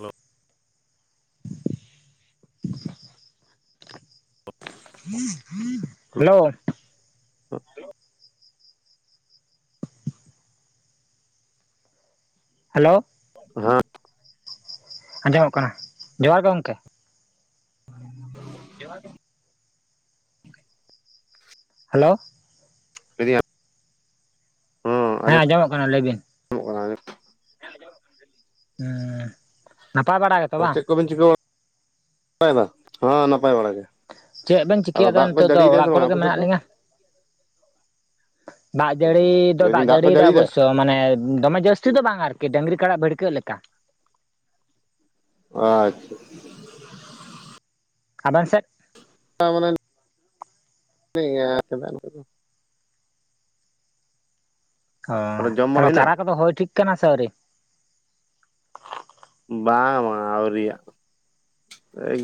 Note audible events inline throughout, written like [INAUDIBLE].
Hello hello [UNINTELLIGIBLE] hello ᱦ ᱟᱸᱡᱚᱢᱚᱜ ᱠᱟᱱᱟ ᱡᱚᱦᱟᱨ ᱜᱮ ᱜᱚᱢᱠᱮ [UNINTELLIGIBLE] ᱡᱟᱨ ᱦᱮᱞᱳ [UNINTELLIGIBLE] ᱦᱮᱸ ᱟᱡᱢᱚᱜ ᱠᱟᱱᱟ ᱞᱟᱹᱭ ᱵᱤᱱ ᱦᱚᱜ ᱚᱱᱟ ᱜᱮ᱾ ᱦᱩᱸ ᱱᱟᱯᱟᱭ ᱵᱟᱲᱟ ᱠᱟᱛᱮ ᱪᱮᱫ ᱠᱚᱵᱤᱱ ᱪᱤᱠᱟᱹ [INAUDIBLE] ᱵᱟᱲ ᱱᱟᱟᱭ ᱦᱮᱸ ᱱᱟᱯᱟᱭ ᱵᱟᱲᱟ ᱜᱮ ᱪᱮᱫ ᱵᱮᱱ ᱟᱫᱚ ᱪᱤᱠᱟᱹᱫᱟ ᱫᱟᱜ ᱠᱚ ᱱᱤᱛᱚᱜ ᱫᱚ ᱡᱟᱹᱲᱤᱭᱮᱫᱟᱭ ᱥᱮ ᱚᱲᱟᱜ ᱵᱟᱝ ᱠᱚᱨᱮ ᱜᱮ ᱟᱯᱮ ᱥᱮᱫ ᱢᱮᱱᱟᱜ ᱫᱚ? ᱞᱤᱧᱟᱹ ᱫᱟᱜ ᱡᱟᱹᱲᱤ ᱫᱚ ᱫᱟᱜ ᱞᱟᱹᱭᱫᱟᱹᱧ ᱠᱚ ᱡᱟᱹᱲᱤᱭᱮᱫᱟᱣ ᱡᱟᱹᱲᱤᱭᱮᱫᱟᱭ ᱚᱵᱚᱥᱚᱱ ᱢᱟᱱᱮ ᱫᱚᱢᱮ ᱡᱟᱹᱥᱛᱤ ᱫᱚ ᱵᱟᱝ ᱟᱨᱠᱤ ᱰᱟᱹᱝᱨᱤ ᱠᱟᱲᱟᱜ ᱵᱷᱤᱲᱠᱟᱹᱜ ᱞᱮᱠᱟ ᱟᱪᱪᱷᱟ ᱟᱵ ᱥᱮᱫ [UNINTELLIGIBLE] ᱚ ᱡᱚᱢ ᱵᱟᱲᱟ ᱛᱟᱦᱚᱞᱮ ᱦᱩᱭᱱᱟ? ᱪᱟᱨᱟ ᱠᱚᱫᱚ ᱦᱳᱭ ᱴᱷᱤᱠ ᱠᱟᱱᱟ ᱥᱮ ᱟᱹᱣᱨᱤ ᱵᱟᱝ ᱟᱹᱣᱨᱤᱭ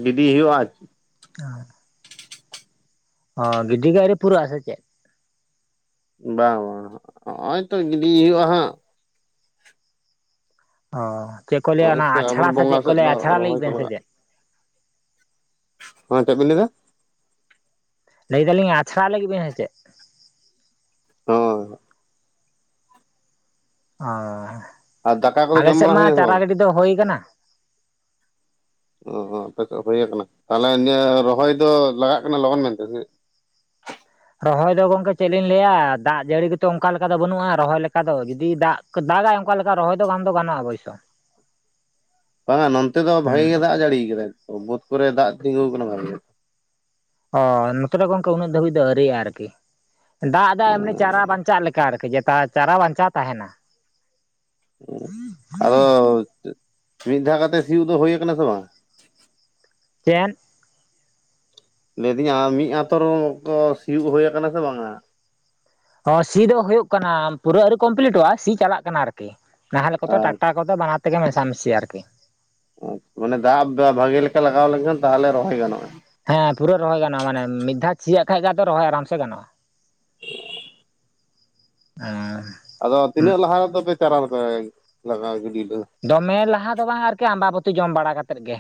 ᱜᱤᱰᱤ ᱦᱩᱭᱩᱜᱼᱟᱤ ᱟᱨ [UNINTELLIGIBLE] ᱦᱚᱸ ᱜᱤᱰᱤ ᱨᱮ ᱯᱩᱨᱟᱹ ᱟᱥᱮ ᱪᱮᱫ ᱵᱟᱝ ᱵᱟᱝ ᱦᱚᱜᱼᱚᱭ ᱛᱚ ᱜᱤᱰᱤᱭᱮ ᱦᱩᱭᱩᱜᱼᱟ ᱦᱟᱸᱜ ᱚ ᱪᱮᱫ ᱠᱚ ᱞᱟᱹᱭᱟ ᱱᱚᱜᱼᱚᱭ ᱚᱱᱟ ᱟᱵᱚᱨ ᱟᱪᱷᱟᱲᱟ ᱥᱮ ᱵᱚᱸᱜᱟ ᱪᱮᱫ ᱠᱚ ᱥᱮᱫ ᱫᱚ ᱞᱟᱹᱭᱟ ᱟᱪᱷᱟᱲᱟ ᱨᱚᱦᱚᱭ ᱞᱟᱹᱜᱤᱫ ᱠᱚ ᱵᱮᱱ ᱥᱮ ᱞᱟᱜᱟᱜ ᱪᱮᱫ ᱦᱸᱮ ᱪᱮᱫ ᱵᱤᱱ ᱞᱟᱹᱭᱮᱫᱟ ᱞᱟᱹᱭᱮᱫᱟᱞᱤᱧ ᱟᱪᱷᱟᱲᱟ ᱞᱮ ᱞᱟᱹᱜᱤᱫ ᱵᱮᱤᱱ ᱦᱮ ᱪᱮ? ᱦ ᱚ ᱟᱨ ᱫᱟᱠᱟ ᱠᱚᱫᱚ ᱟᱞᱮ ᱡᱚᱢ ᱥᱮᱫ ᱵᱟᱲᱟ ᱢᱟ ᱦᱩᱭᱱᱟ ᱥᱮ ᱵᱟᱝ? ᱪᱟᱨᱟ ᱜᱟᱹᱰᱤ ᱫᱚ ᱦᱳᱹᱣ ᱠᱟᱱᱟ ᱚ ᱟᱯᱪᱮᱫ ᱦ ᱦᱩᱭᱠ ᱛᱟᱦᱚᱞᱮ ᱱᱤᱭᱟᱹ ᱨᱚᱦᱚᱭ ᱫᱚ ᱞᱟᱜᱟᱜ ᱠᱟᱱᱟ ᱞᱚᱜᱚᱱ ᱢᱮᱱᱛᱮ ᱨᱚᱦᱚᱭ ᱫᱚ ᱜᱚᱝᱠᱮ ᱪᱮᱫ ᱞᱤᱧ ᱞᱟᱹᱭᱟ ᱫᱟᱜ ᱡᱟᱹᱲᱤ ᱜᱮᱛᱚ ᱚᱱᱠᱟ ᱞᱮᱠᱟ ᱫᱚ ᱵᱟᱹᱱᱩᱜᱼᱟ ᱨᱚᱦᱚᱭ ᱞᱮᱠᱟ ᱫᱚ ᱡᱩᱫᱤ ᱫᱟᱜ ᱫᱟᱜᱟᱭ ᱚᱱᱠᱟ ᱞᱮᱠᱟ ᱨᱚᱦᱚᱭ ᱫᱚ ᱜᱟᱢ ᱫᱚᱟᱱᱚᱜᱼᱟ ᱚᱵᱚᱥᱚ᱾ ᱵᱟᱝᱟ ᱱᱚᱱᱛᱮ ᱫᱚ ᱵᱷᱟᱜᱮ ᱦᱩᱸ ᱜᱮ ᱫᱟᱜ ᱡᱟᱹᱲᱤᱭ ᱠᱟᱟᱭ ᱵᱩᱫ ᱠᱚᱨᱮ ᱫᱟᱜ ᱛᱤᱸᱜᱩ ᱟᱠᱟᱱᱟ ᱵᱷᱟᱜ ᱚ ᱱᱚᱛᱮ ᱜᱚᱝᱠᱮ ᱩᱱᱟᱹᱜ ᱫᱷᱟᱹᱵᱤᱡ ᱫᱚ ᱟᱹᱣᱤᱭᱼᱟ ᱟᱨᱠᱤ ᱫᱟᱜ ᱫᱚᱭ ᱮᱢᱱᱤ ᱪᱟᱨᱟ ᱜᱮ ᱵᱟᱧᱪᱟᱜ ᱞᱮᱠᱟ ᱟᱨᱠᱤ ᱡᱮᱛᱟ ᱪᱟᱨᱟ ᱵᱟᱧᱪᱟᱣ ᱛᱟᱦᱮᱱᱟ ᱟᱫᱚ ᱢᱤᱫ ᱫᱷᱟᱣ ᱠᱟᱛᱮᱜ ᱥᱤᱭᱳᱜ ᱫᱚ ᱦᱩᱭ ᱠᱟᱱᱟ ᱥᱮ ᱵᱟᱝ ᱪᱮᱱ ᱞᱟᱹᱭᱫᱤᱧᱟ ᱢᱤᱫ ᱟᱛ ᱥᱤᱭᱳᱜ ᱦᱩ ᱟᱠᱟᱱᱟ ᱥᱮ ᱵᱟᱝᱼᱟ ᱚ ᱥᱤ ᱫᱚ ᱦᱳᱭᱜ ᱠᱟᱱᱟ ᱯᱩᱨᱟᱹ ᱟᱹᱣᱨᱤ ᱠᱚᱢᱯᱞᱤᱴᱚᱜᱼᱟ ᱥᱤ ᱪᱟᱞᱟᱜ ᱠᱟᱱᱟ ᱟᱨᱠᱤ ᱱᱟᱦᱮᱞᱮ ᱠᱚ ᱟᱪᱪᱷᱟ ᱴᱟᱠᱴᱟ ᱠᱚᱫᱚ ᱵᱟᱱᱟᱣ ᱛᱮᱜᱮ ᱢᱮᱥᱟ ᱢᱮᱥᱟᱢᱤ ᱟᱨᱠᱤ ᱢᱟᱱᱮ ᱫᱟᱜ ᱵᱷᱟᱜᱤ ᱞᱮᱠᱟ ᱞᱟᱜᱟᱣ ᱞᱮᱱᱠᱷᱟᱱ ᱛᱟᱦᱚᱞᱮ ᱨᱚᱦᱚᱭ ᱜᱟᱱᱚᱜᱼᱟ ᱦᱮᱸ ᱯᱩᱨᱟᱹ ᱨᱚᱦᱚᱭ ᱜᱟᱱᱚᱜᱼᱟ ᱢᱟᱱᱮ ᱢᱤᱫ ᱫᱷᱟᱣ ᱪᱤᱭᱟᱹᱜ ᱠᱷᱟᱱᱡ ᱜᱮ ᱟ ᱨᱚᱦᱚᱭ ᱟᱨᱟᱢ ᱥᱮ ᱜᱟᱱᱚᱜᱼᱟ ᱟᱨ ᱟᱫᱚ ᱛᱤᱱᱟᱹᱜ ᱞᱟᱦᱟ ᱨᱮᱫᱚᱯᱮ ᱪᱟᱨᱣ ᱞᱮᱯᱮ ᱞᱟᱜ ᱜᱤᱰᱤ ᱫᱚᱢᱮ ᱞᱟᱦᱟ ᱫᱚ ᱵᱟᱝ ᱟᱨᱠᱤ ᱟᱢᱵᱟᱵᱟᱹᱛᱤ ᱡᱚᱢ ᱵᱟᱲᱟ ᱠᱟᱛᱮᱫ ᱜᱮ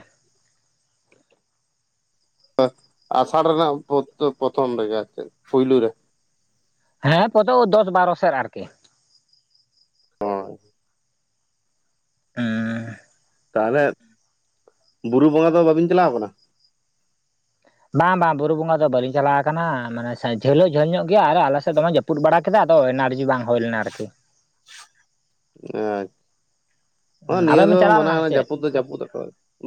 ᱟᱥᱟᱲ ᱨᱮᱱᱟᱜ ᱯᱨᱚᱛᱷᱚᱢ ᱨᱮᱜᱮ ᱟᱨ ᱪᱮᱫ ᱯᱩᱭᱭᱞᱳ ᱨᱮ ᱦᱮᱸ ᱯᱨᱚᱛ ᱫᱚᱥ ᱵᱟᱨᱚ ᱥᱮᱫ ᱟᱨᱠᱤ᱾ ᱦ [UNINTELLIGIBLE] ᱛᱟᱦᱚᱞᱮ ᱵᱩᱨᱩ ᱵᱚᱸᱜᱟ ᱫᱚ ᱵᱟᱵᱤᱱ ᱪᱟᱞᱟᱣ ᱟᱠᱟᱱᱟ ᱵᱟᱝ ᱵᱟᱝ ᱵᱩᱨᱩ ᱵᱚᱸᱜᱟ ᱫᱚ ᱵᱟᱟᱹᱞᱤᱧ ᱪᱟᱞᱟᱣ ᱟᱠᱟᱱᱟ ᱢᱟᱱᱮ ᱡᱷᱟᱹᱞᱚᱜ ᱡᱷᱟᱹᱞ ᱧᱚᱜ ᱜᱮᱭᱟ ᱟᱨ ᱟᱞᱮ ᱥᱮᱫ ᱫᱚᱢᱮ ᱡᱚᱯ ᱨᱟᱹᱯᱩᱫ ᱵᱟᱲᱟ ᱠᱮᱫᱟ ᱛᱚ ᱮᱱᱟᱨᱡᱤ ᱵᱟᱝ ᱦᱩᱭ ᱞᱮᱱᱟ ᱟᱨᱠᱤ᱾ ᱟᱪᱪᱷᱟ ᱱᱤᱭᱟᱹ ᱟᱵᱮᱱ ᱵᱮᱱ ᱫᱚ ᱪᱟᱞᱟᱣ ᱞᱮᱱᱟ ᱥᱮ ᱢᱟᱱᱟ ᱪᱮᱫ ᱡᱟᱹᱯᱩᱫ ᱫᱚ ᱡᱟᱹᱯᱩᱫ ᱟᱠᱚ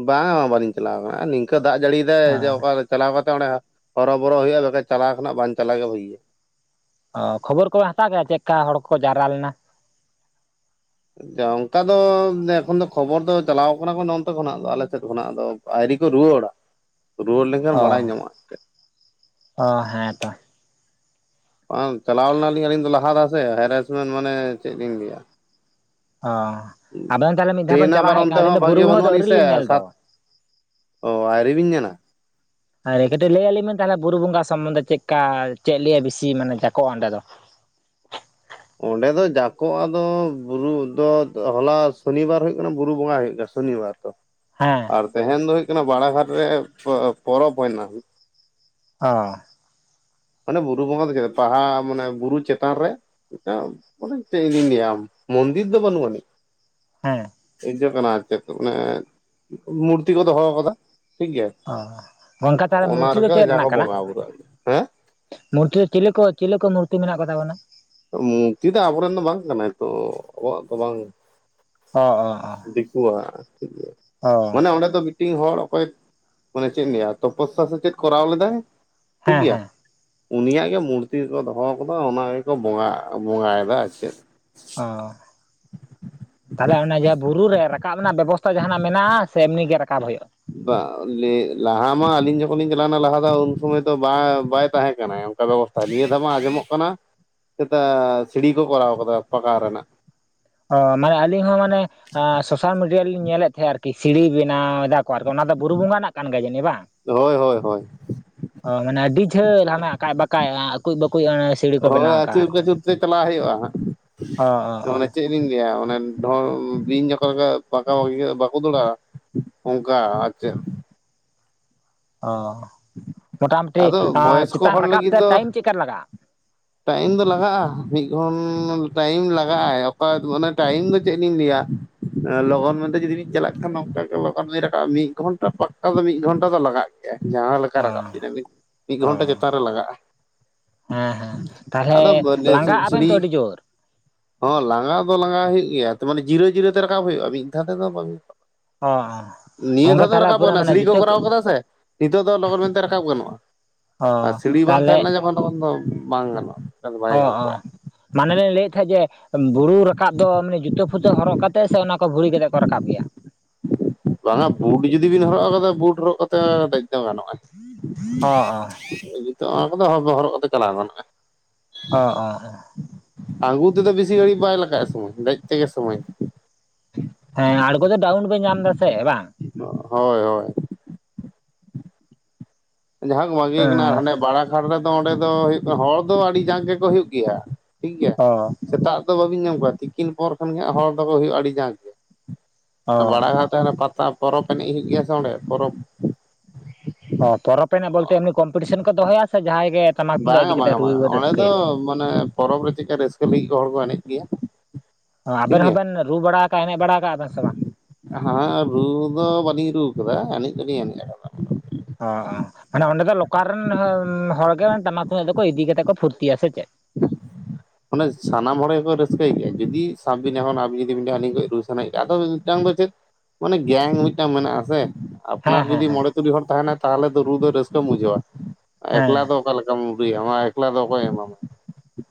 ᱵᱟᱝ ᱵᱟᱞᱤᱧ ᱪᱟᱞᱟᱣ ᱟᱠᱟᱱᱟ ᱱᱤᱝᱠᱟᱹ ᱫᱟᱜ ᱡᱟᱹᱲᱤᱭᱟᱭ ᱡᱮ ᱚᱠᱟ ᱪᱟᱞᱟᱣ ᱠᱟᱛᱮ ᱚᱸᱰᱮ ᱦᱚᱨᱚᱵᱚᱨᱚ ᱦᱩᱭᱩᱜᱼᱟ ᱵᱟᱠᱷᱟᱡ ᱪᱟᱞᱟᱣ ᱠᱷᱚᱱᱟᱜ ᱵᱟᱝ ᱪᱟᱞᱟᱜ ᱜᱮ ᱵᱳᱜᱷᱤᱭᱟ ᱚ ᱠᱷᱚᱵᱚᱨ ᱠᱚᱵᱮ ᱦᱟᱛᱟᱣ ᱠᱮᱫᱟ ᱪᱮᱫ ᱞᱮᱠᱟ ᱦᱚᱲ ᱠᱚ ᱡᱟᱣᱨᱟ ᱞᱮᱱᱟ ᱚᱱᱠᱟ ᱫᱚ ᱮᱠᱷᱚᱱ ᱫᱚ ᱠᱷᱚᱵᱚᱨ ᱫᱚ ᱪᱟᱞᱟᱣ ᱠᱟᱱᱟ ᱚᱱᱛᱮ ᱠᱷᱚᱱᱟᱜ ᱫᱚ ᱟᱞᱮ ᱥᱮᱫ ᱠᱷᱚᱱᱟᱜ ᱫᱚ ᱟᱹᱨᱤ ᱠᱚ ᱨᱩᱣᱟᱹᱲᱟ ᱨᱩᱣᱟᱹᱲ ᱞᱮᱱᱠᱷᱟᱱ ᱚ ᱵᱟᱲᱟᱭ ᱧᱟᱢᱚᱜᱼᱟ ᱚ ᱦᱮᱸ ᱛᱚ ᱵᱟᱝ ᱪᱟᱞᱟᱣ ᱞᱮᱱᱟᱞᱤᱧ ᱟᱹᱞᱤᱧ ᱫᱚ ᱞᱟᱦᱟ ᱨᱮ ᱥᱮ ᱦᱮᱨᱮᱥᱢᱮᱱᱴ ᱢᱟᱱᱮ ᱪᱮᱫ ᱞᱤᱧ ᱞᱟᱹᱭᱟ ᱚᱻ ᱟᱵᱮᱱ ᱛᱟᱦᱚᱞᱮ ᱢᱤᱫ ᱫᱷᱟᱣ ᱴᱨᱮᱱ ᱵᱮᱱ ᱪᱟᱞᱟᱣ ᱟᱵᱟᱨ ᱦᱮᱡ ᱚᱱᱛᱮ ᱠᱟᱱᱟ ᱦᱚᱸ ᱟᱹᱞᱤᱧ ᱫᱚ ᱵᱩᱨᱩ ᱵᱷᱟᱜᱮ ᱵᱚᱸᱜᱟᱜ ᱫᱚ ᱟᱹᱣᱨᱤ ᱞᱤᱧ ᱧᱮᱞ ᱫᱚ ᱚᱻ ᱟᱭᱨᱤᱵᱤᱱ ᱧᱮᱞᱟ ᱟᱨ ᱠᱟᱹᱴᱤᱡ ᱞᱟᱹᱭ ᱟᱹᱞᱤᱧᱱ ᱵᱮᱱ ᱛᱟᱦᱚᱞᱮ ᱵᱩᱨᱩ ᱵᱚᱸᱜᱟ ᱥᱚᱢᱵᱚᱱᱷ ᱪᱮᱫ ᱪᱠᱟ ᱪᱮᱫ ᱞᱮᱭᱟ ᱵᱤᱥᱤ ᱢᱟᱱᱮ ᱡᱟᱠᱚᱜᱼᱟ ᱚᱸᱰᱮ ᱫᱚ ᱚᱸᱰᱮ ᱫᱚ ᱡᱟᱠᱚᱜ ᱟ ᱫᱚ ᱵᱩᱨᱩ ᱫᱚ ᱦᱚᱞᱟ ᱥᱚᱱᱤ ᱵᱟᱨ ᱦᱩᱭᱩᱜ ᱠᱟᱱᱟ ᱵᱩᱨᱩ ᱵᱚᱸᱜᱟ ᱦᱩᱭᱩᱜ ᱜᱮᱭᱟ ᱥᱚᱱᱤᱵᱟᱨ [INAUDIBLE] ᱦᱮᱸ ᱟᱨ ᱛᱟᱦᱮᱸᱧ ᱫᱚ ᱦᱳᱭᱳᱜ ᱠᱟᱱᱟ ᱵᱟᱲᱟᱟᱜᱷᱟᱴ ᱨᱮ ᱯᱚᱨᱚᱵᱽ ᱦᱩᱭᱱᱟ ᱚ ᱢᱟᱱᱮ ᱵᱩᱨᱩ ᱵᱚᱸᱜᱟ ᱫᱚ ᱪᱮᱫ ᱵᱟᱦᱟ ᱢᱟᱱᱮ ᱵᱩᱨᱩ ᱪᱮᱛᱟᱱ ᱨᱮ ᱢᱮ ᱪᱟᱢ ᱢᱚᱱᱫᱤᱨ ᱫᱚ ᱵᱟᱹᱱᱩᱜ ᱟᱹᱱᱤᱡ ᱦᱮᱸ [UNINTELLIGIBLE] ᱠᱟᱱᱟ ᱟᱨ ᱪᱮᱫ ᱢᱟᱱᱮ ᱢᱩᱨᱛᱤ ᱠᱚ ᱫᱚᱦᱚ ᱟᱠᱟᱫᱟ ᱴᱷᱤᱠ ᱜᱮᱭᱟ ᱚ ᱜᱚᱝᱠᱮ ᱛᱟᱦᱚᱞᱮ ᱚᱱᱟ ᱢᱩᱨᱛᱤ ᱫᱚ ᱨᱮᱜᱮ ᱪᱮᱫ ᱡᱟ ᱠᱚ ᱨᱮᱱᱟᱜ ᱠᱟᱱᱟ ᱵᱚᱸᱜᱟ ᱵᱩᱨᱩᱜ ᱟᱫᱚ ᱢᱩᱨᱛᱤ ᱨᱮ ᱪᱤᱞᱤ ᱠᱚ ᱪᱤᱞᱤ ᱠᱚ ᱢᱩᱨᱛᱤ ᱢᱮᱱᱟᱜ ᱠᱚᱛᱟ ᱵᱚᱱᱟ ᱢᱩᱨᱛᱤ ᱫᱚ ᱟᱵᱚᱨᱮᱱ ᱫᱚ ᱵᱟᱝ ᱠᱟᱱᱟᱭ ᱛᱚ ᱟᱵᱚᱣᱟᱜ ᱫᱚ ᱵᱟᱝ ᱚ ᱚ ᱚ ᱫᱤᱠᱩᱣᱟᱷ ᱤᱭᱟ ᱚ ᱢᱟᱱᱮ ᱚᱸᱰᱮ ᱫᱚ ᱢᱤᱫᱴᱮᱱ ᱦᱚᱲ ᱚᱠᱚᱭ ᱢᱟᱱᱮ ᱪᱮᱫ ᱤᱧ ᱞᱟᱹᱭᱟ ᱛᱚᱯᱚᱥᱟ ᱥᱮ ᱪᱮᱫ ᱠᱚᱨᱟᱣ ᱞᱮᱫᱟᱭ ᱴᱷᱤᱠ ᱦᱮᱸ ᱜᱮᱮᱭᱟ ᱦᱮᱸ ᱩᱱᱤᱭᱟᱜ ᱜᱮ ᱢᱩᱨᱛᱤᱠᱚ ᱫᱚᱦᱚ ᱟᱠᱟᱫᱟ ᱚᱱᱟ ᱜᱮᱠᱚ ᱵᱚᱸᱜᱟ ᱵᱚᱸᱜᱟᱭᱮᱫᱟ ᱟᱨ ᱪᱮᱫ ᱚ ᱛᱟᱦᱞᱮ ᱚᱱᱟ ᱡᱟᱦᱟᱸ ᱵᱩᱨᱩ ᱨᱮ ᱨᱟᱠᱟᱵ ᱨᱮᱱᱟᱜ ᱵᱮᱵᱚᱥᱛᱟ ᱛᱟ ᱡᱟᱦᱟᱱᱟᱜ ᱢᱮᱱᱟᱜᱼᱟ ᱥᱮ ᱮᱢᱱᱤ ᱜᱮ ᱨᱟᱠᱟᱵ ᱦᱩᱭᱩᱜᱼᱟ ᱞᱟᱦᱟ ᱢᱟ ᱟᱹᱞᱤᱧ ᱡᱚᱠᱷᱚᱱ ᱞᱤᱧ ᱪᱟᱞᱟᱣᱱᱟ ᱞᱟᱦᱟ ᱫᱚ ᱩᱱ ᱥᱚᱢᱚᱭ ᱫᱚ ᱵᱟ ᱵᱟᱭ ᱛᱟᱦᱮᱸᱠᱟᱱᱟ ᱚᱱᱠᱟ ᱵᱮᱵᱚᱥᱛᱟ ᱱᱤᱭᱟᱹ ᱫᱷᱟᱣ ᱢᱟ ᱟᱸᱡᱚᱢᱚᱜ ᱠᱟᱱᱟ ᱪᱮᱛᱟ ᱥᱤᱲᱤ ᱠᱚ ᱠᱚᱨᱟᱣ ᱟᱠᱟᱫᱟ ᱯᱟᱠᱟ ᱨᱮᱱᱟᱜ ᱚ ᱢᱟᱱᱮ ᱟᱞᱤᱧ ᱦᱚᱸ ᱢᱟᱱᱮ ᱥᱳᱥᱟᱞ ᱢᱤᱰᱤᱭᱟ ᱨᱮᱞᱤᱧ ᱧᱮᱞᱮᱫ ᱛᱟᱦᱮᱸᱱᱟ ᱟᱨᱠᱤ ᱥᱤᱲᱤ ᱵᱮᱱᱟᱣ ᱮᱫᱟ ᱠᱚ ᱟᱨᱠᱤ ᱚᱱᱟ ᱫᱚ ᱵᱩᱨᱩ ᱵᱚᱸᱜᱟᱜ ᱨᱮᱱᱟᱜ ᱠᱟᱱ ᱜᱮᱭᱟ ᱡᱟᱹᱱᱤᱡ ᱵᱟᱝ ᱦᱳᱭ ᱦᱳᱭ ᱦᱳᱭ ᱚ ᱢᱟᱱᱮ ᱟᱹᱰᱤ ᱡᱷᱟᱹᱞ ᱦᱟᱱᱟ ᱟᱠᱟᱡᱼᱵᱟᱠᱟᱡ ᱟᱠᱩᱡ ᱵᱟᱠᱩᱡᱼᱟ ᱤᱥ ᱦᱳᱭ ᱟᱹᱪᱩᱨ ᱠᱟᱹᱪᱩᱨ ᱛᱮ ᱪᱟᱞᱞᱟᱟᱜ ᱦᱩᱭᱩᱜᱼᱟ ᱦᱟᱸᱜ ᱚ ᱚ ᱚ ᱢᱟᱱᱮ ᱪᱮᱫ ᱪᱮᱫ ᱤᱧ ᱞᱟᱹᱭᱟ ᱚᱱᱮ ᱰᱷᱚᱱᱰ ᱵᱤᱧ ᱡᱚᱠᱦᱚ ᱜᱟ ᱯᱟᱠᱟ ᱤᱭᱟ ᱵᱟᱠᱚ ᱫᱟᱹᱲᱟ ᱚᱱᱠᱟ ᱟᱨ ᱪᱮᱫ ᱚ ᱢᱚᱴᱟᱢᱩᱴᱤ ᱟᱫᱚ ᱟᱹ ᱵᱚᱭᱚᱥᱠᱚ ᱪᱮᱛᱟᱱ ᱦᱚᱲ ᱨᱟᱠᱟᱵ ᱞᱟᱹᱜᱤᱫ ᱛᱮ ᱫᱚ ᱴᱟᱭᱤᱢ ᱪᱮᱫᱠᱟ ᱞᱟᱜᱟᱜᱼᱟ [INAUDIBLE] ᱴᱟᱭᱤᱢ ᱫᱚ ᱞᱟᱜᱟᱜᱼᱟ ᱢᱤᱫᱜᱚᱱ ᱴᱟᱭᱤᱢ ᱞᱟᱜᱟᱜ ᱟᱭ ᱚᱠᱟ ᱢᱟᱱᱮ ᱴᱟᱭᱤᱢ ᱫᱚ ᱪᱮᱫ ᱞᱤᱧ ᱞᱟᱹᱭᱟ ᱞᱚᱜᱚᱱ ᱢᱮᱱ ᱡᱩᱫᱤ ᱵᱤᱱ ᱪᱟᱞᱟᱜ ᱠᱷᱟᱱ ᱱᱚᱝᱠᱟ ᱜᱮ ᱞᱚᱜᱚᱱ ᱵᱤᱧ ᱨᱟᱠᱟᱵ-ᱟ ᱢᱤᱫ ᱜᱷᱚᱱᱴᱟ ᱯᱟᱠᱟ ᱫᱚ ᱢᱤᱫ ᱜᱷᱚᱱᱴᱟ ᱫᱚ ᱞᱟᱜᱟᱜ ᱜᱮᱭᱟ ᱡᱟᱦᱟᱸ ᱞᱮᱠᱟ ᱚ ᱨᱟᱵ ᱵᱤᱱ ᱟᱵᱤᱱ ᱢᱤᱫ ᱚ ᱜᱷᱚᱱᱴᱟ ᱪᱮᱛᱟᱱ ᱨᱮ ᱞᱟᱜᱟᱜᱼᱟ ᱦᱮᱸ ᱦᱮᱸ ᱟᱫᱚ ᱛᱟᱦᱚᱞᱮ ᱞᱟᱸᱜᱟᱜ [UNINTELLIGIBLE] ᱟᱵᱮᱱ ᱥᱟᱹᱲᱤ ᱛᱚ ᱟᱹᱰᱤ ᱡᱳᱨ? ᱦᱚᱸ ᱞᱟᱸᱜᱟ ᱫᱚ ᱞᱟᱸᱜᱟ ᱦᱩᱭᱩᱜ ᱜᱮᱭᱟ ᱢᱟᱱᱮ ᱡᱤᱨᱟᱹ ᱡᱤᱨᱟᱹᱛᱮ ᱨᱟᱠᱟᱵ ᱦᱩᱭᱩᱜᱼᱟ ᱢᱤᱫ ᱫᱷᱟᱣ ᱛᱮᱫᱚ ᱵᱟᱝ ᱚ ᱚ ᱱᱤᱭᱟᱹ ᱫᱷᱟᱣ ᱜᱚᱝᱠᱮ ᱫᱚ ᱛᱟᱦᱚᱞᱮ ᱨᱟᱠᱟᱵᱚᱜ ᱯᱩᱨᱟᱹ ᱠᱟᱱᱟ ᱢᱟᱱᱮ ᱥᱤᱲᱤ ᱠᱚ ᱡᱩᱛᱟᱹ ᱠᱚᱨᱟᱣ ᱠᱟᱫᱟ ᱥᱮ ᱱᱤᱛᱚᱜ ᱫᱚ ᱞᱚᱜᱚᱱ ᱢᱮᱱᱛᱮ ᱨᱟᱠᱟᱵ ᱜᱟᱱᱚᱜᱼᱟ ᱟᱨ ᱚ ᱥᱤᱲᱤ ᱵᱟᱝ ᱛᱟᱦᱚᱞᱮ ᱛᱟᱦᱮᱸ ᱞᱮᱱ ᱡᱚᱠᱷᱚᱱ ᱞᱚᱜᱚᱱ ᱫᱚ ᱵᱟᱝ ᱜᱟᱱᱚᱜᱼᱟ ᱚᱱᱠᱟ ᱫᱚ ᱵᱟᱭ ᱚ ᱜᱟᱱ ᱚ ᱠᱚᱜᱼᱟ ᱢᱟᱱᱮᱞᱤᱧ ᱞᱟᱹᱭᱮᱫ ᱛᱟᱦᱮᱸᱫ ᱡᱮ ᱵᱩᱨᱩ ᱨᱟᱠᱟᱵ ᱫᱚ ᱢᱟᱱᱮ ᱡᱩᱛᱟᱹ ᱯᱷᱩᱛᱟᱹ ᱦᱚᱨᱚᱜ ᱠᱟᱛᱮᱜ ᱥᱮ ᱚᱱᱟ ᱠᱚ ᱵᱷᱩᱲᱤ ᱠᱟᱛᱮᱜ ᱠᱚ ᱨᱟᱠᱟᱵ ᱜᱮᱭᱟ ᱵᱟᱝᱟ ᱵᱩᱴ ᱡᱩᱫᱤ ᱵᱤᱱ ᱦᱚᱨᱚᱜ ᱟᱠᱟᱫᱟ ᱵᱩᱴ ᱦᱚᱨᱚᱜ ᱠᱟᱛᱮ ᱫᱮᱡ ᱫᱚ ᱜᱟᱱᱚᱜᱼᱟ ᱦᱚᱸᱜ ᱚ ᱤᱛᱚ ᱚᱱᱟ ᱠᱚᱫᱚ ᱦ ᱦᱚᱨᱚᱜ ᱠᱟᱛᱮ ᱪᱟᱞᱟᱣ ᱜᱟᱱᱚᱜᱼᱟ ᱚ ᱚ ᱚ ᱟᱹᱜᱩ ᱛᱮᱫᱚ ᱵᱤᱥᱤ ᱜᱷᱟᱹᱲᱤᱡ ᱵᱟᱭ ᱞᱟᱜᱟᱜᱼᱟ ᱥᱚᱢᱚᱭ ᱫᱮᱡ ᱛᱮᱜᱮ ᱥᱚᱢᱚᱭ ᱦᱮᱸ ᱟᱬᱜᱚᱫᱚ ᱰᱟᱣᱩᱱ ᱯᱮ ᱧᱟᱢ ᱮᱫᱟ ᱥᱮ ᱵᱟᱝ ᱦᱳᱭ ᱦᱳᱭ ᱡᱟ ᱦᱳᱠ ᱵᱷᱟᱜᱤ ᱠᱟᱱᱟ ᱦᱟᱱᱮ ᱵᱟᱲᱟ ᱜᱷᱟᱴ ᱨᱮ ᱚᱸᱰᱮ ᱫᱚ ᱦᱩᱭᱩᱜ ᱠᱟᱱᱟ ᱦᱚᱲ ᱫᱚ ᱟᱹᱰᱤ ᱡᱟᱸᱠ ᱜᱮᱠᱚ ᱦᱩᱭᱩᱜ ᱜᱮᱭᱟ ᱴᱷᱤᱠᱜᱮᱭᱟ [UNINTELLIGIBLE] ᱥᱮᱛᱟᱜ ᱫᱚ ᱵᱟᱹᱵᱤᱱ ᱧᱟᱢ ᱠᱚᱣᱟ ᱛᱤᱠᱤᱱ ᱯᱚᱨ ᱠᱷᱚᱱᱜᱮ ᱦᱚᱲ ᱫᱚᱠᱚ ᱦᱩᱭᱩᱜ-ᱟ ᱟᱹᱰᱤ ᱡᱟᱠᱜᱮ ᱚ ᱵᱟᱲᱟᱜᱷᱟᱴ ᱛᱟᱦᱮᱱᱟ ᱯᱟᱛᱟ ᱯᱚᱨᱚᱵᱽ ᱮᱱᱮᱡ ᱦᱩᱭᱩᱜ ᱜᱮᱭᱟ ᱥᱮ ᱚᱸᱰᱮ ᱯᱚᱨᱚᱵᱽ ᱚ ᱯᱚᱨᱚᱵᱽ ᱮᱱᱮᱡ ᱵᱚᱞᱛᱮ ᱮᱢᱱᱤ ᱵᱚᱞᱛᱮ ᱠᱚᱢᱯᱤᱴᱤᱥᱚᱱ ᱠᱚ ᱫᱚᱦᱚᱭᱟ ᱥᱮ ᱡᱟᱦᱟᱸᱭ ᱜᱮ ᱴᱟᱢᱟᱠ ᱛᱩᱢᱫᱟᱜ ᱵᱟᱝᱟ ᱤᱫᱤ ᱠᱟᱛᱮ ᱵᱟᱝᱟ ᱵᱟᱝᱟ ᱨᱩ ᱚᱸᱰᱮ ᱫᱚ ᱨᱟᱹᱥᱠᱟᱹᱭᱟ? ᱢᱟᱱᱮ ᱯᱚᱨᱚᱵᱽ ᱨᱮ ᱪᱮᱫᱠᱟ ᱨᱟᱹᱥᱠᱟᱹ ᱞᱟᱹᱜᱤᱫ ᱠᱚ ᱦᱚᱲ ᱠᱚ ᱮᱱᱮᱡ ᱜᱮᱭᱟ ᱚ ᱴᱷᱤᱠ ᱟᱵᱮᱱ ᱜᱮᱭᱟ ᱦᱚᱸᱵᱮᱱ ᱨᱩ ᱵᱟᱲᱟ ᱠᱟᱜ-ᱟ ᱮᱱᱮᱡ ᱵᱟᱲᱟ ᱟᱠᱟᱜ-ᱟ ᱵᱮᱱ ᱥᱮ ᱵᱟᱝ? ᱦᱮᱸ ᱨᱩ ᱫᱚ ᱵᱟᱹᱞᱤᱧ ᱨᱩᱣᱟ ᱠᱟᱫᱟ ᱮᱱᱮᱡ ᱫᱚᱞᱤᱧ ᱮᱱᱮᱡ ᱠᱟᱫᱟ ᱾ ᱚ ᱢᱟᱱᱮ ᱚᱸᱰᱮ ᱫᱚ ᱞᱳᱠᱟᱞ ᱨᱮᱱ ᱦᱚᱲ ᱜᱮ ᱴᱟᱢᱟᱠ ᱠᱚᱫᱚᱠᱚ ᱤᱫᱤ ᱠᱟᱛᱮᱫ ᱠᱚ ᱯᱷᱩᱨᱛᱤᱭᱟ ᱥᱮ ᱪᱮᱫ ᱢᱟᱱᱮ ᱥᱟᱱᱟᱢ ᱦᱚᱲ ᱜᱮᱠᱚ ᱨᱟᱹᱥᱠᱟᱹᱭ ᱜᱮᱭᱟ, ᱡᱩᱫᱤ ᱥᱟᱵ ᱵᱤᱱ ᱮᱠᱷᱚᱱ ᱟᱵᱤᱱ ᱡᱩᱫᱤ ᱵᱤᱱᱞᱟᱹᱭᱟ ᱟᱹᱞᱤᱧ ᱠᱟᱹᱡ ᱨᱟᱥᱠᱟᱹ ᱟᱫᱚ ᱢᱤᱫᱴᱟᱝ ᱫᱚ ᱪᱮᱫ ᱢᱟᱱᱮ ᱜᱮᱝ ᱢᱤᱫᱴᱟᱝ ᱢᱮᱱᱟᱜᱼᱟᱥᱮ ᱦᱮᱸ ᱟᱯᱱᱟᱨ ᱦᱮᱸ ᱡᱩᱫᱤ ᱦᱮᱸ ᱢᱚᱲᱮ ᱛᱩᱨᱩᱤ ᱦᱚᱲ ᱛᱟᱦᱮᱱᱟᱭ, ᱛᱟᱦᱚᱞᱮ ᱫᱚ ᱨᱩ ᱫᱚ ᱨᱟᱹᱥᱠᱟᱹᱢ ᱵᱩᱡᱷᱟᱹᱣᱟ ᱾ ᱮᱠᱞᱟ ᱦᱮᱸ ᱫᱚ ᱚᱠᱟᱞᱮᱠᱟ ᱢᱟ ᱮᱠᱞᱟ ᱫᱚ ᱚᱠᱚᱭ ᱮᱢᱟᱢᱟ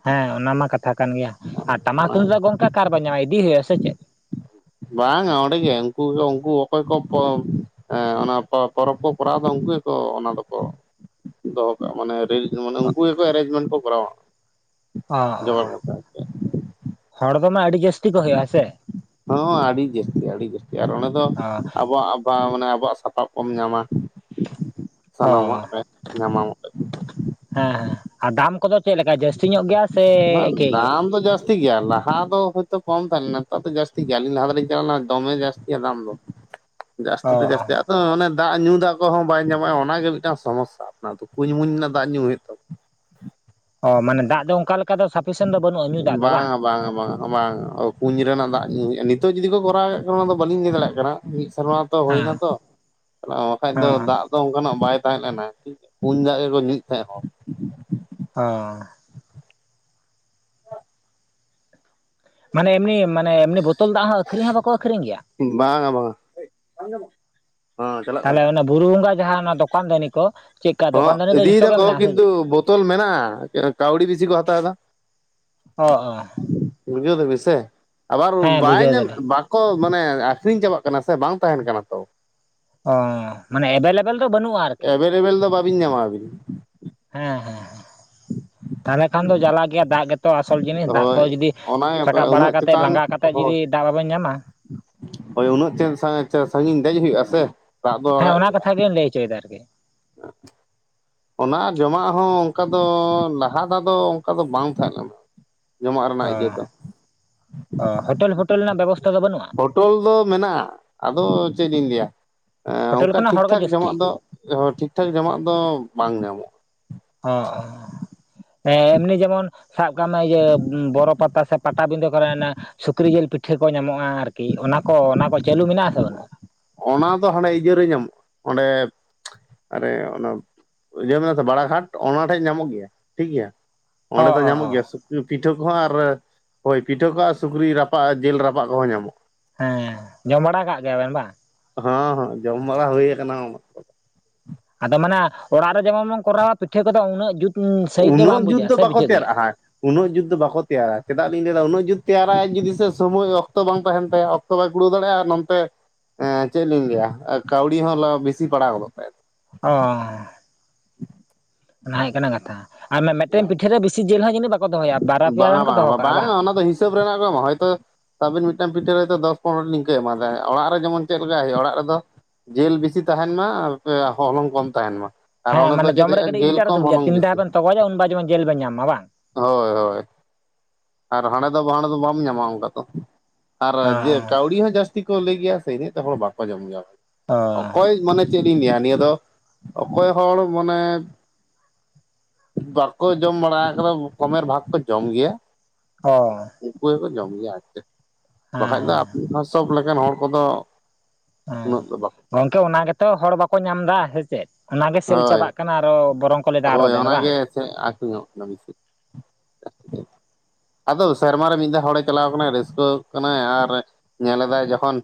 ᱦᱮᱸ ᱚᱱᱟ ᱢᱟ ᱠᱟᱛᱷᱟ ᱠᱟᱱ ᱜᱮᱭᱟ ᱾ ᱟᱨ ᱴᱟᱢᱟᱠ ᱛᱩᱢᱫᱟᱜ ᱜᱚᱝᱠᱮ ᱚᱠᱟᱨᱮᱵᱮᱱ ᱧᱟᱢᱟ ᱤᱫᱤ ᱦᱩᱭᱩᱜ-ᱟ ᱥᱮ ᱪᱮᱫ? ᱵᱟᱝᱟ ᱚᱸᱰᱮ ᱜᱮ ᱩᱱᱠᱩ ᱩᱱᱠᱩ ᱚᱠᱚᱭ ᱠᱚ ᱦᱸ ᱚᱱᱟ ᱯᱚᱨᱚᱵᱽ ᱠᱚ ᱠᱚᱨᱟᱣ ᱫᱚ ᱩᱱᱠᱩ ᱜᱮᱠᱚ ᱚᱱᱟ ᱫᱚᱠᱚ ᱫᱚᱦᱚ ᱠᱟᱜ-ᱟ ᱢᱟᱱᱮ ᱢᱟᱱᱮ ᱩᱱᱠᱩ ᱜᱮᱠᱚ ᱮᱨᱮᱧᱡᱢᱮᱱᱴ ᱠᱚ ᱠᱚᱨᱟᱣᱟ ᱚ ᱡᱚᱜᱟᱲ ᱠᱟᱛᱮ ᱦᱚᱲ ᱫᱚ ᱢᱟ ᱟᱹᱰᱤ ᱡᱟᱥᱛᱤ ᱦᱚᱸ ᱟᱹᱰᱤ ᱡᱟᱹᱥᱛᱤ ᱟᱹᱰᱤ ᱡᱟᱹᱥᱛᱤ ᱟᱨ ᱚᱸᱰᱮ ᱫᱚ ᱚ ᱟᱵᱚᱣᱟᱜ ᱵᱟ ᱢᱟᱱᱮ ᱟᱵᱚᱣᱟᱜ ᱥᱟᱯᱟᱵ ᱠᱚᱢ ᱧᱟᱢᱟ ᱚ ᱥᱟᱱᱟᱢᱟᱜ ᱨᱮ ᱧᱟᱢᱟᱢ ᱦᱮᱸ ᱦᱮᱸ ᱟᱨ ᱫᱟᱢ ᱠᱚᱫᱚ ᱪᱮᱫᱞᱮᱠᱟ ᱡᱟᱹᱥᱛᱤ ᱧᱚᱜ ᱜᱮᱭᱟ ᱥᱮ ᱦᱟᱸᱜ ᱮᱤᱠᱮᱭ ᱜᱮᱭᱟ? ᱫᱟᱢ ᱫᱚ ᱡᱟᱹᱥᱛᱤ ᱜᱮᱭᱟ ᱞᱟᱦᱟ ᱫᱚ ᱦᱳᱭᱛᱳ ᱠᱚᱢ ᱴᱤᱠ ᱜᱮᱭᱟ ᱞᱟᱦᱟ ᱫᱚ ᱦᱚᱭ ᱛᱚ ᱠᱚᱢ ᱛᱟᱦᱮ ᱞᱮᱱᱟ ᱱᱮᱛᱟᱨ ᱫᱚ ᱡᱟᱹᱥᱛᱤ ᱜᱮᱭᱟ ᱟᱹᱞᱤᱧ ᱞᱟᱦᱟ ᱫᱚᱞᱤᱧ ᱪᱟᱞᱟᱣ ᱞᱮᱱᱟ ᱫᱚᱢᱮ ᱡᱟᱹᱥᱛᱤᱭᱟ ᱫᱟᱢ ᱫᱚ ᱡᱟᱥᱛᱤ ᱚ ᱛᱮ ᱡᱟᱥᱛᱤ ᱚᱱᱮ ᱫᱟᱜ ᱧᱩ ᱫᱟᱜ ᱠᱚᱦᱚᱸ ᱵᱟᱭ ᱧᱟᱢᱚᱜ-ᱟ ᱚᱱᱟᱜᱮ ᱢᱤᱫᱴᱟᱝ ᱥᱚᱢᱚᱥᱟ ᱾ ᱠᱩᱸᱧ ᱢᱩᱧ ᱨᱮᱱᱟᱜ ᱫᱟᱜ ᱧᱩ ᱦᱩᱭᱩᱜ ᱛᱟᱢᱟ ᱾ ᱚ ᱢᱟᱱᱮ ᱫᱟᱜ ᱫᱚ ᱚᱱᱠᱟ ᱞᱮᱠᱟ ᱫᱚ ᱥᱟᱯᱷᱤᱥᱮᱱᱴ ᱫᱚ ᱵᱟᱹᱱᱩᱜ-ᱟ ᱧᱩ ᱫᱟᱜ ᱫᱚ ᱵᱟᱝ ᱵᱟᱝ -ᱟ ᱵᱟᱝ-ᱟ ᱵᱟᱝ ᱠᱩᱧ ᱨᱮᱱᱟᱜ ᱫᱟᱜ ᱧᱩ-ᱟ ᱱᱤᱛᱚᱜ ᱡᱩᱫᱤ ᱠᱚ ᱠᱚᱨᱟᱣᱮᱫ ᱚᱱᱟ ᱫᱚ ᱵᱟᱹᱞᱤᱧ ᱞᱟᱹᱭ ᱫᱟᱲᱮᱭᱟᱜ ᱠᱟᱱᱟ ᱾ᱢᱤᱫ ᱥᱮᱨᱢᱟ ᱛᱚ ᱦᱩᱭᱱᱟ ᱦᱮᱸ ᱛᱚ ᱵᱟᱠᱟᱡ ᱫᱚ ᱦᱮᱸ ᱫᱟᱜ ᱫᱚ ᱚᱱᱠᱟᱱᱟᱜ ᱵᱟᱭ ᱛᱟᱦᱮᱸᱞᱮᱱᱟ, ᱠᱩᱧ ᱫᱟᱜ ᱜᱮᱠᱚ ᱧᱩ ᱛᱟᱦᱮᱸᱜ ᱦᱚᱲ ᱚᱼᱼᱼᱼᱼ ᱢᱟᱱᱮ ᱮᱢᱱᱤ ᱢᱟᱱᱮ ᱮᱢᱱᱤ ᱵᱳᱛᱚᱞ ᱫᱟᱜ ᱦᱚᱸ ᱟᱹᱠᱷᱨᱤᱧ ᱦᱚᱸ ᱵᱟᱠᱚ ᱟᱹᱠᱷᱨᱤᱧ ᱜᱮᱭᱟ ᱵᱟᱝᱟ ᱵᱟᱝᱟ ᱦᱮᱸ ᱪᱟᱞᱟᱜ ᱠᱟᱱ ᱛᱟᱦᱚᱞᱮ ᱚᱱᱟ ᱵᱩᱨᱩ ᱵᱚᱸᱜᱟ ᱡᱟᱦᱟᱸ ᱚᱱᱟ ᱫᱚᱠᱟᱱ ᱫᱟᱹᱱᱤ ᱠᱚ ᱪᱮᱫᱠᱟ ᱦᱚ ᱫᱚᱠᱟᱱ ᱫᱟᱹᱱᱤ ᱫᱚ ᱤᱫᱤᱭ ᱡᱷᱚᱛᱚ ᱜᱮ ᱫᱟᱠᱚ ᱢᱮᱱᱟᱜᱼᱟ ᱥᱮ ᱠᱤᱱᱛᱩ ᱵᱳᱛᱚᱞ ᱢᱮᱱᱟᱜ-ᱟ ᱠᱟᱹᱣᱰᱤ ᱵᱤᱥᱤ ᱠᱚ ᱦᱟᱛᱟᱣ ᱮᱫᱟ ᱚ ᱚ ᱵᱩᱡᱟᱹᱣ ᱫᱟᱹᱵᱤᱱ ᱥᱮ ᱟᱵᱟᱨ ᱦᱮᱸ ᱵᱟᱭ ᱵᱩᱡᱷᱟᱹᱣ ᱫᱟᱞᱤᱧ ᱧᱟᱢᱮᱫ ᱠᱚ ᱢᱟᱱᱮ ᱟᱠᱷᱨᱤᱧ ᱪᱟᱵᱟᱜ ᱠᱟᱱᱟ ᱥᱮ ᱵᱟᱝ ᱛᱟᱦᱮᱱ ᱠᱟᱱᱟ ᱛᱚ ᱚᱻ ᱢᱟᱱᱮ ᱮᱵᱮᱞᱮᱵᱮᱞ ᱫᱚ ᱵᱟᱹᱱᱩᱜ-ᱟ ᱮᱵᱮᱞᱮᱵᱮᱞ ᱫᱚ ᱵᱟᱵᱤᱱ ᱧᱟᱢᱟ ᱟᱹᱵᱤᱱ ᱦᱮᱻᱸ ᱦᱮᱸᱮᱸ ᱛᱟᱦᱚᱞᱮ ᱠᱷᱟᱱ ᱫᱚ ᱡᱟᱞᱟ ᱜᱮᱭᱟ ᱫᱟᱜ ᱜᱮᱛᱚ ᱟᱥᱚᱞ ᱡᱤᱱᱤᱥ ᱫᱟᱜ ᱠᱚ ᱦᱳᱭ ᱡᱩᱫᱤ ᱚᱱᱟ ᱨᱟᱠᱟᱵ ᱵᱟᱲᱟ ᱩᱱᱟᱹᱜ ᱠᱟᱛᱮᱫ ᱪᱮᱛᱟᱱ ᱞᱟᱸᱜᱟ ᱠᱟᱛᱮᱫ ᱦᱳ ᱡᱩᱫᱤ ᱫᱟᱜ ᱵᱟᱵᱮᱱ ᱧᱟᱢᱟ ᱦᱳᱭ ᱩᱱᱟᱹᱜ ᱪᱮ ᱥᱟᱺᱜᱤᱧ ᱫᱮᱡ ᱦᱩᱭᱩᱜ-ᱟ ᱥᱮ ᱫᱟᱜ ᱫᱚ ᱦᱮᱸ ᱚᱱᱟ ᱠᱟᱛᱷᱟᱜᱤᱧ ᱞᱟᱹᱭ ᱚᱪᱚᱭᱫᱟ ᱟᱨᱠᱤ ᱚ [INAUDIBLE] ᱚᱱᱟ ᱡᱚᱢᱟᱜ ᱦᱚᱸ ᱚᱱᱠᱟ ᱫᱚ ᱞᱟᱦᱟ ᱫᱟᱣ ᱫᱚ ᱚᱱᱠᱟ ᱫᱚ ᱵᱟᱝ ᱛᱟᱦᱮᱸ ᱞᱮᱟᱱᱟ ᱾ ᱚ ᱚ ᱦᱳᱴᱮᱞ ᱯᱷᱚᱴᱮᱞ ᱨᱮᱱᱟᱜ ᱵᱮᱵᱚᱥᱛᱷᱟ ᱫᱚ ᱵᱟᱹᱱᱩᱜ-ᱟ? ᱵᱚᱴᱚᱞ ᱫᱚ ᱢᱮᱱᱟᱜ-ᱟ ᱾ ᱟᱫᱚ ᱪᱮᱫ ᱤᱧ ᱞᱟᱹᱭᱟ, ᱦᱳᱴᱮᱞ ᱚᱱᱠᱟ ᱠᱷᱚᱱᱟᱜ ᱦᱚᱲᱜᱮ ᱴᱷᱤᱠᱴᱷᱟᱠ ᱡᱟᱹᱥᱛᱤ ᱡᱚᱢᱟᱜ ᱫᱚ ᱴᱷᱤᱠ ᱴᱷᱟᱠ ᱡᱟᱢᱟᱜ ᱫᱚ ᱵᱟᱝ ᱧᱟᱢᱚᱜ- ᱟ ᱾ ᱚ ᱮᱢᱱᱤ ᱡᱮᱢᱚᱱ ᱥᱟᱵ ᱠᱟᱜ ᱢᱮ ᱤᱭᱟᱹ ᱵᱚᱨᱚ ᱯᱟᱛᱟ ᱥᱮ ᱯᱟ ᱯᱟᱴᱟᱵᱤᱸᱫᱟᱹ ᱠᱚᱨᱮ ᱥᱩᱠᱨᱤ ᱡᱤᱞ ᱯᱤᱴᱷᱟᱹ ᱠᱚ ᱧᱟᱢᱚᱜᱼᱟ ᱟᱨᱠᱤ ᱚᱱᱟ ᱠᱚ ᱚᱱᱟ ᱠᱚ ᱪᱟᱹᱞᱩ ᱢᱮᱱᱟᱜᱼᱟ ᱛᱚ ᱚᱱᱟ ᱫᱚ ᱦᱟᱸᱰᱮ ᱤᱭᱟᱹ ᱨᱮ ᱧᱟᱢᱚᱜᱼᱟ ᱚᱸᱰᱮ ᱟᱨᱮ ᱚᱱᱟ ᱤᱭᱟᱹ ᱢᱮ ᱵᱟᱲᱟᱜᱷᱟᱴ ᱚᱱᱟ ᱴᱷᱮᱡ ᱧᱟᱢᱚᱜ ᱜᱮᱭᱟ ᱴᱷᱤᱠᱜᱮᱭᱟ ᱚ ᱚᱸᱰᱮ ᱫᱚ ᱚ ᱧᱟᱢᱚᱜ ᱚ ᱜᱮᱭᱟ ᱯᱤᱴᱷᱟᱹ ᱠᱚᱦᱚᱸ ᱟᱨ ᱦᱳᱭ ᱯᱤᱴᱷᱟᱹ ᱠᱚ ᱟᱨ ᱥᱩᱠᱨᱤ ᱨᱟᱯᱟᱜ ᱡᱤᱞ ᱨᱟᱯᱟᱜ ᱠᱚᱦᱚᱸ ᱧᱟᱢᱚᱜᱼᱟ ᱦᱮᱸ ᱡᱚᱢ ᱵᱟᱲᱟ ᱠᱟᱜ ᱜᱮᱭᱟ ᱵᱤᱱ ᱵᱟᱝ ᱦᱚᱸ ᱦᱚᱸ ᱡᱚᱢ ᱵᱟᱲᱟ ᱦᱩᱭ ᱟᱠᱟᱱᱟ ᱚᱱᱟ ᱟᱫᱚ ᱢᱟᱱᱮ ᱚᱲᱟᱜ ᱨᱮ ᱡᱮᱢᱚᱱ ᱵᱚᱱ ᱠᱚᱨᱟᱣᱟ ᱯᱤᱴᱷᱟᱹ ᱠᱚᱫᱚ ᱩᱱᱟᱹᱜ ᱡᱩᱛ ᱥᱟᱺᱦᱤᱡ ᱫᱚ ᱩᱱᱟᱹᱜ ᱵᱟᱝ ᱡᱩᱛ ᱵᱩᱡᱷᱟᱹᱜᱼᱟ ᱫᱚ ᱥᱮ ᱵᱟᱠᱚ ᱵᱩᱡᱷᱟᱹᱜ ᱜᱮᱭᱟ ᱛᱮᱭᱟᱨᱟᱜᱼᱟ ᱩᱱᱟᱹᱜ ᱡᱩᱛ ᱫᱚ ᱵᱟᱠᱚ ᱛᱮᱭᱟᱨᱟ ᱪᱮᱫᱟᱜᱞᱤᱧ ᱞᱟᱹᱭᱮᱫᱟ ᱩᱱᱟᱹᱜ ᱡᱩᱛ ᱛᱮᱭᱟᱨᱟᱭᱟ ᱡᱩᱫᱤ ᱥᱚᱢᱚᱭ ᱚᱠᱛᱚ ᱵᱟᱝ ᱛᱟᱦᱮᱱ ᱛᱟᱭᱟ ᱚ ᱚᱠᱛᱚ ᱵᱟᱭ ᱠᱩᱲᱟᱹᱣ ᱫᱟᱲᱮᱭᱟᱜᱼᱟ ᱟᱨ ᱱᱚᱛᱮ ᱮᱸ ᱪᱮᱫ ᱞᱤᱧ ᱞᱟᱹᱭᱟ ᱠᱟᱹᱣᱰᱤ ᱦᱚᱸ ᱵᱤᱥᱤ ᱯᱟᱲᱟᱣ ᱜᱚᱫᱚᱜ ᱛᱟᱭ ᱚ ᱚᱱᱟ ᱦᱩᱭᱩᱜ ᱠᱟᱱᱟ ᱠᱟᱛᱷᱟ ᱟᱨ ᱢᱤᱫᱴᱮᱱ ᱯᱤᱴᱷᱟᱹ ᱨᱮ ᱵᱤᱥᱤ ᱡᱤᱞ ᱦᱚᱸ ᱡᱟᱹᱱᱤᱡ ᱵᱟᱠᱚ ᱫᱚᱦᱚᱭᱟ ᱵᱟᱨᱟ ᱯᱮᱭᱟ ᱵᱟᱝᱟ ᱜᱟᱱ ᱠᱚ ᱫᱚᱦᱚ ᱵᱟᱝᱟ ᱠᱟᱜᱼᱟ ᱵᱟᱝ ᱦᱤᱥᱟᱹᱵ ᱨᱮᱱᱟᱜ ᱠᱚ ᱦᱚᱭ ᱛᱚ ᱟᱵᱤᱱ ᱢᱤᱫᱴᱟᱝ ᱯᱤᱴᱷᱟᱹ ᱨᱮᱫᱚ ᱫᱚᱥ ᱯᱚᱱᱨᱚ ᱴᱤ ᱞᱤᱧ ᱮᱢᱟᱫᱟ ᱚᱲᱟᱜ ᱨᱮ ᱡᱮᱢᱚᱱ ᱪᱮᱫ ᱞᱮᱠᱟᱭ ᱦᱩᱭᱩᱜᱼᱟ ᱚᱲᱟᱜ ᱨᱮᱫᱚ ᱡᱤᱞ ᱵᱮᱥᱤ ᱛᱟᱦᱮᱱ ᱢᱟ ᱦᱚᱞᱚᱝ ᱠᱚᱢ ᱛᱟᱦᱮᱱ ᱢᱟ ᱟᱨ ᱦᱮᱸ ᱚᱸᱰᱮ ᱫᱚ ᱢᱟᱱ ᱪᱮᱫ ᱡᱚᱢ ᱨᱮ ᱦᱩᱭᱩᱜᱼᱟ ᱠᱟᱹᱴᱤᱡ ᱡᱤᱞ ᱤᱱᱴᱟᱨᱮᱥᱴ ᱠᱚᱢ ᱵᱩᱡᱟ ᱦᱚᱞᱚᱝ ᱛᱤᱱ ᱫᱦᱟᱣ ᱵᱮᱥᱤ ᱵᱮᱱᱛᱚᱜᱚᱡᱼᱟ ᱩᱱ ᱵᱟ ᱡᱮᱢᱚᱱ ᱡᱮᱞ ᱵᱮᱱ ᱧᱟᱢᱟ ᱵᱟᱝ ᱦᱳᱭ ᱦᱳᱭ ᱟᱨ ᱦᱟᱸᱰᱮ ᱫᱚ ᱦᱟᱸᱰᱮ ᱫᱚ ᱵᱟᱢ ᱧᱟᱢᱟ ᱚᱱᱠᱟ ᱫᱚ ᱟᱨ ᱦᱮᱸ ᱦᱮᱸ ᱠᱟᱹᱣᱰᱤ ᱦᱚᱸ ᱡᱟᱹᱥᱛᱤ ᱠᱚ ᱞᱟᱹᱭ ᱜᱮᱭᱟ ᱥᱮ ᱤᱱᱟᱹᱜ ᱛᱮ ᱦᱚᱲ ᱵᱟᱠᱚ ᱡᱚᱢ ᱜᱮᱭᱟ ᱚᱠᱚᱭ ᱢᱟᱱᱮ ᱪᱮᱫ ᱤᱧ ᱞᱟᱹᱭᱟ ᱱᱤᱭᱟᱹ ᱫᱚ ᱚᱠᱚᱭ ᱦᱚᱲ ᱢᱟᱱᱮ ᱵᱟᱠᱚ ᱡᱚᱢ ᱵᱟᱲᱟ ᱟᱠᱟᱫᱟ ᱠᱚᱢᱮᱨ ᱵᱷᱟᱜᱽ ᱠᱚ ᱡᱚᱢ ᱜᱮᱭᱟ ᱦᱚᱭ ᱩᱱᱠᱩ ᱜᱮᱠᱚ ᱡᱚᱢ ᱜᱮᱭᱟ ᱟᱨᱪᱮᱫ ᱦᱮᱸ ᱵᱟᱠᱷᱟᱡ ᱫᱚ ᱦᱮᱸ ᱟ ᱥᱚᱵ ᱞᱮᱠᱟᱱ ᱦᱚᱲ ᱠᱚᱫᱚ ᱦᱮᱸ ᱩᱱᱟᱹᱜ ᱫᱚ ᱵᱟᱠᱚ ᱜᱚᱝᱠᱮ ᱚᱱᱟ ᱜᱮᱛᱚ ᱦᱚᱲ ᱵᱟᱠᱚ ᱧᱟᱢ ᱮᱫᱟ ᱥᱮ ᱪᱮᱫ ᱚᱱᱟᱜ ᱜᱮ ᱥᱮᱞ ᱪᱟᱵᱟᱜ ᱠᱟᱱᱟ ᱟᱨᱚ ᱵᱚᱨᱚᱝ ᱠᱚ ᱞᱟᱹᱭ ᱮᱫᱟ ᱟᱨᱚ ᱦᱚᱭ ᱫᱮᱱ ᱵᱟᱝ ᱚᱱᱟᱜᱮ ᱪᱮᱫ ᱟᱹᱠᱷᱨᱤᱧᱚᱜ ᱠᱟᱱᱟ ᱵᱮᱥᱤ ᱡᱟᱹᱥᱛᱤ ᱟᱫᱚ ᱥᱮᱨᱢᱟᱨᱮ ᱢᱤᱫ ᱫᱷᱟᱣ ᱦᱚᱲᱮ ᱪᱟᱞᱟᱣ ᱟᱠᱟᱱᱟ ᱨᱟᱹᱥᱠᱟᱹ ᱠᱟᱱᱟᱭ ᱟᱨ ᱧᱮᱞᱫᱟᱭ ᱡᱚᱠᱷᱚᱱ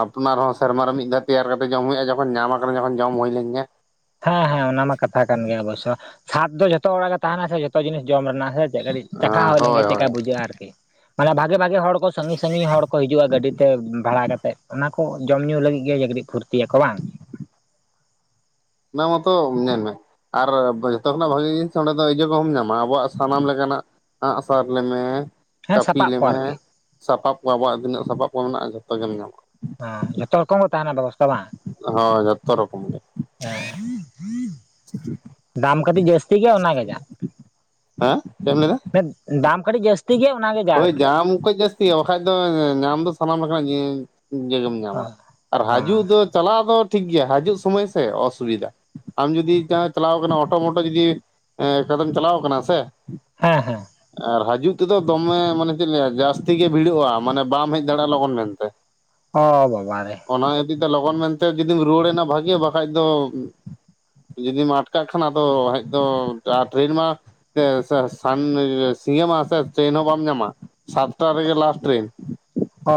ᱟᱯᱱᱟᱨ ᱦᱚᱸ ᱥᱮᱨᱢᱟ ᱨᱮ ᱢᱤᱫ ᱫᱷᱟᱣ ᱛᱮᱭᱟᱨ ᱠᱟᱛᱮᱫ ᱡᱚᱢ ᱦᱩᱭᱩᱜᱼᱟ ᱡᱚᱠᱷᱚᱱ ᱧᱟᱢ ᱟᱠᱟᱱᱟ ᱡᱚᱠᱷᱚᱱ ᱡᱚᱢ ᱦᱩᱭ ᱞᱮᱱ ᱜᱮᱭᱟ ᱦᱮᱸ ᱦᱮᱸ ᱚᱱᱟ ᱢᱟ ᱠᱟᱛᱷᱟ ᱠᱟᱱ ᱜᱮ ᱚᱵᱚᱥᱳ ᱥᱟᱫ ᱫᱚ ᱡᱚᱛᱚ ᱦᱚᱲᱟᱜ ᱜᱮ ᱛᱟᱦᱮᱱᱟ ᱥᱮ ᱡᱷᱚᱛᱚ ᱡᱤᱱᱤᱥ ᱡᱚᱢ ᱨᱮᱱᱟᱜ ᱥᱮ ᱠᱟᱹᱴᱤᱡ ᱪᱟᱠᱷᱟ ᱦᱩᱭ ᱞᱮᱱᱜᱮ ᱦᱳᱭ ᱦᱳᱭ ᱪᱤᱫᱞᱮᱠᱟ ᱵᱩᱡᱷᱟᱹᱜᱼᱟ ᱟᱨᱠᱤ ᱢᱟᱱᱮ ᱵᱷᱟᱜᱮ ᱵᱷᱟᱜᱮ ᱦᱚᱲ ᱠᱚ ᱥᱟᱺᱜᱤᱧ ᱥᱟᱺᱜᱤᱧ ᱦᱚᱲ ᱠᱚ ᱦᱤᱡᱩᱜᱼᱟ ᱜᱟᱹᱰᱤᱛᱮ ᱵᱷᱟᱲᱟ ᱠᱟᱛᱮ ᱚᱱᱟ ᱡᱚᱢ ᱧᱩ ᱞᱟᱹᱜᱤᱫ ᱜᱮ ᱡᱠᱲᱤᱡ ᱯᱷᱩᱨᱛᱤᱭᱟᱠᱚ ᱵᱟᱝ ᱚᱱᱟ ᱢᱟᱛᱚ ᱧᱮᱞ ᱢᱮ ᱟᱨ ᱡᱚᱛᱚ ᱠᱷᱚᱱᱟᱜ ᱵᱷᱟᱹᱜᱤ ᱡᱤᱱᱤᱥ ᱚᱸᱰᱮ ᱫᱚ ᱮᱭᱟᱠᱚ ᱡᱚᱢ ᱧᱟᱢᱟ ᱟᱵᱚᱣᱟᱜ ᱥᱟᱱᱟᱢ ᱞᱮᱠᱟᱱᱟᱜ ᱦᱟᱜ ᱥᱟᱨ ᱞᱮᱢᱮ ᱦᱮᱸ ᱠᱟᱹᱯᱤ ᱥᱟᱯᱟᱵ ᱠᱚ ᱞᱮᱭᱢᱮ ᱟᱨᱠᱤ ᱥᱟᱯᱟᱵ ᱠᱚ ᱟᱵᱚᱣᱟᱜ ᱛᱤᱱᱟᱹᱜ ᱥᱟᱯᱟᱵ ᱠᱚ ᱢᱮᱱᱟᱜᱼᱟ ᱡᱷᱚᱛᱚ ᱜᱮᱢ ᱧᱟᱢ ᱠᱚ ᱦᱮᱸ ᱡᱚᱛᱚ ᱨᱚᱠᱚᱢ ᱜᱮ ᱛᱟᱦᱮᱞᱮ ᱵᱮᱵᱚᱥᱛᱷᱟ ᱵᱟᱝ ᱦᱸ ᱡᱚᱛᱚ ᱨᱚᱠᱚᱢ ᱜᱮ ᱦᱮᱸ ᱫᱟᱢ ᱠᱟᱹᱴᱤᱡ ᱡᱟᱹᱥᱛᱤ ᱜᱮᱭᱟ ᱚᱱᱟ ᱜᱮ ᱱᱦᱸᱟᱜ ᱦᱮᱸ ᱪᱮᱫ ᱮᱢ ᱞᱟᱹᱭ ᱮᱫᱟ ᱫᱟᱢ ᱠᱟᱹᱴᱤᱡ ᱡᱟᱹᱥᱛᱤ ᱛᱤ‌ ᱜᱮ ᱚᱱᱟᱜᱮ ᱡᱟ ᱦᱳᱭ ᱟᱨᱠᱤ ᱡᱟᱢᱠᱚᱡ ᱡᱟᱹᱥᱛᱤ ᱭᱟ ᱵᱟᱠᱷᱟᱡ ᱫᱚ ᱧᱟᱢ ᱫᱚ ᱥᱟᱱᱟᱢ ᱞᱮᱠᱟᱱᱟᱜ ᱡᱮᱞ ᱮᱢ ᱧᱟᱢᱟ ᱚ ᱟᱨ ᱚ ᱦᱟᱡᱩᱜ ᱫᱚ ᱪᱟᱞᱟᱜ ᱫᱚ ᱴᱷᱤᱠ ᱜᱮᱭᱟ ᱦᱟᱡᱩᱜ ᱥᱚᱢᱚᱭ ᱥᱮ ᱚᱥᱩᱵᱤᱫᱟ ᱟᱢ ᱡᱩᱫᱤ ᱡᱟᱦᱟᱸ ᱪᱟᱞᱟᱣ ᱠᱟᱱᱟ ᱚᱴᱳ ᱢᱚᱴᱳ ᱡᱩᱫᱤᱢ ᱠᱟᱫᱢ ᱪᱟᱞᱟᱣ ᱠᱟᱱᱟ ᱥᱮ ᱦᱮᱸ ᱦᱮᱸ ᱟᱨ ᱦᱟᱹᱡᱩᱜ ᱛᱮᱫᱚ ᱫᱚᱢᱮ ᱢᱟᱱᱮ ᱪᱮᱫ ᱞᱟᱹᱭᱟ ᱡᱟᱹᱥᱛᱤ ᱜᱮ ᱵᱷᱤᱲᱚᱜᱼᱟ ᱢᱟᱱᱮ ᱵᱟᱢ ᱦᱮᱡ ᱫᱟᱲᱮᱭᱟᱜᱼᱟ ᱞᱚᱜᱚᱱ ᱢᱮᱱᱛᱮ ᱚ ᱵᱟᱵᱟ ᱨᱮ ᱚᱱᱟ ᱤᱫᱤ ᱛᱮ ᱞᱚᱜᱚᱱ ᱢᱮᱱᱛᱮ ᱡᱩᱫᱤᱢ ᱨᱩᱣᱟᱹᱲᱮᱱᱟ ᱵᱷᱟᱹᱜᱤ ᱵᱟᱠᱷᱟᱡ ᱫᱚ ᱡᱩᱫᱤᱢ ᱟᱴᱠᱟᱜ ᱠᱷᱟᱱ ᱟᱫᱚ ᱦᱮᱡ ᱫᱚ ᱴᱨᱮᱱ ᱢᱟ ᱥᱟᱱ ᱥᱤᱦ ᱢᱟᱥ [INAUDIBLE] ᱪᱮᱫ ᱦᱚᱸ ᱵᱟᱢ ᱧᱟᱢᱟ ᱥᱟᱯᱴᱟ ᱨᱮᱜᱮ ᱞᱟᱥᱴ ᱴᱨᱮᱱ ᱚ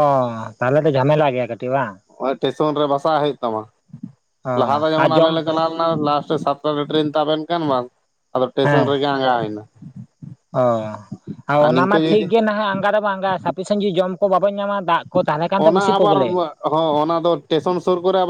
ᱛᱟᱦᱚᱞᱮ ᱛᱚ ᱡᱷᱟᱢᱮᱞᱟ ᱜᱮᱭᱟ ᱠᱟᱹᱴᱤᱜ ᱵᱟᱝ ᱱᱚᱜ ᱴᱮᱥᱚᱱ ᱨᱮ ᱵᱟᱥᱟᱜ ᱦᱩᱭᱩᱜ ᱛᱟᱢᱟ ᱚ ᱞᱟᱦᱟ ᱫᱚ ᱟᱨ ᱡᱮᱢᱚᱱ ᱟᱞᱮ ᱡᱚᱢ ᱞᱮ ᱪᱟᱞᱟᱣ ᱞᱟᱥᱴ ᱨᱮ ᱥᱟᱛᱴᱟ ᱴᱨᱮᱱ ᱛᱟᱵᱮᱱ ᱠᱷᱟᱱ ᱵᱟᱝ ᱟᱫᱚ ᱦᱮᱸ ᱴᱮᱥᱚᱱ ᱨᱮᱜᱮ ᱟᱸᱜᱟ ᱦᱩᱭᱱᱟ ᱚ ᱟᱨ ᱚᱱᱟ ᱱᱤᱝᱠᱟᱹ ᱢᱟ ᱴᱷᱤᱠ ᱡᱩᱫᱤ ᱜᱮ ᱱᱟᱦᱟᱜ ᱟᱸᱜᱟ ᱫᱚᱵᱚᱱ ᱟᱸᱜᱟᱼᱟ ᱥᱟᱯᱤᱥᱮᱱ ᱡᱩᱫᱤ ᱡᱚᱢ ᱠᱚ ᱵᱟᱵᱚᱱ ᱧᱟᱢᱟ ᱫᱟᱜ ᱠᱚ ᱛᱟᱦᱚᱞᱮ ᱠᱷᱟᱱ ᱫᱚ ᱚᱱᱟ ᱵᱮᱥᱤ ᱟᱵᱟᱨ ᱯᱨᱚᱵᱞᱮᱢ ᱦᱚᱸ ᱚᱱᱟ ᱫᱚ ᱴᱮᱥᱚᱱ ᱥᱩᱨ ᱠᱚᱨᱮ ᱟᱵᱟᱨ